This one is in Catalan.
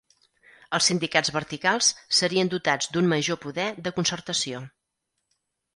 Els sindicats verticals serien dotats d'un major poder de concertació.